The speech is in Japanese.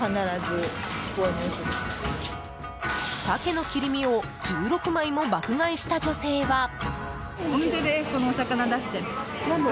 サケの切り身を１６枚も爆買いした女性は。